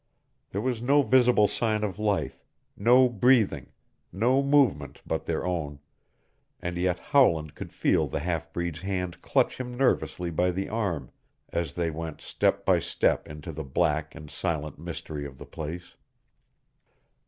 There was no visible sign of life, no breathing, no movement but their own, and yet Howland could feel the half breed's hand clutch him nervously by the arm as they went step by step into the black and silent mystery of the place.